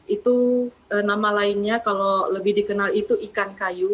itu nama lainnya kalau lebih dikenal itu ikan kayu